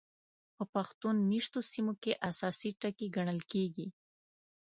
په پښتون مېشتو سیمو کې اساسي ټکي ګڼل کېږي.